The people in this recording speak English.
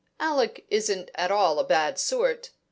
Alec isn't at all a bad sort.